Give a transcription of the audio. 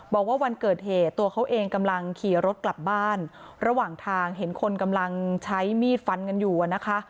บอกว่าวันเกิดเหตุตัวเขาเองกำลังขี่รถกลับบ้านระหว่างทางเห็นคนกำลังใช้มีดฟันกันอยู่อะนะคะ